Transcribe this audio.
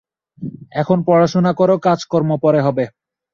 এখন পড়াশুনো করো, কাজকর্ম পরে হবে।